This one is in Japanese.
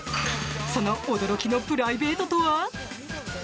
その驚きのプライベートとは？